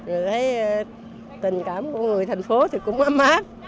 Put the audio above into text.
người thấy tình cảm của người thành phố thì cũng mát mát